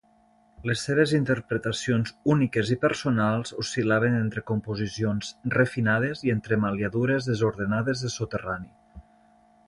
Les seves interpretacions úniques i personals oscil·laven entre composicions refinades i entremaliadures desordenades de soterrani.